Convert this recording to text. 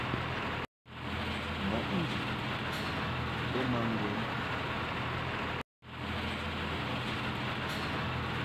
Mɔʼ njuʼ bə ma ŋgwɛn.